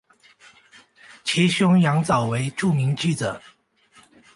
其兄羊枣为著名记者。